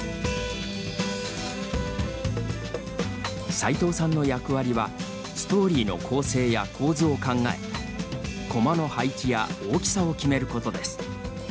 さいとうさんの役割はストーリーの構成や構図を考えコマの配置や大きさを決めることです。